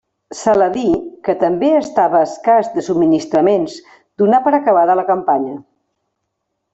Saladí, que també estava escàs de subministraments donà per acabada la campanya.